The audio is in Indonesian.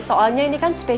soalnya ini kan special party